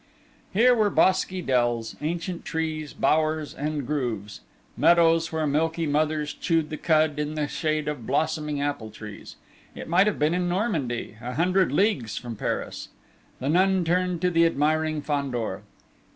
Here were bosky dells, ancient trees, bowers and grooves, meadows where milky mothers chewed the cud in the shade of blossoming apple trees. It might have been in Normandy, a hundred leagues from Paris! The nun turned to the admiring Fandor.